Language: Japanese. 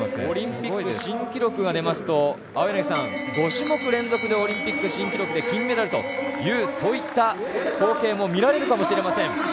オリンピック新記録が出ますと、５種目連続でオリンピック新記録で金メダルというそういった光景も見られるかもしれません。